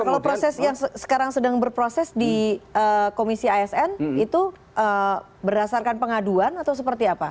kalau proses yang sekarang sedang berproses di komisi asn itu berdasarkan pengaduan atau seperti apa